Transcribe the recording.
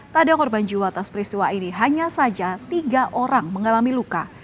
tak ada korban jiwa atas peristiwa ini hanya saja tiga orang mengalami luka